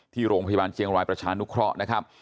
ที่โรงพยาบาลเชียงรายประชานุเคราะห์นะครับ